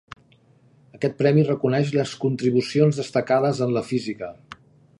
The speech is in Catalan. Aquest premi reconeix les contribucions destacades en la física.